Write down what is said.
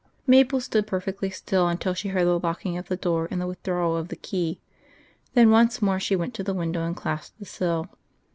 III Mabel stood perfectly still until she heard the locking of the door and the withdrawal of the key. Then once more she went to the window and clasped the sill.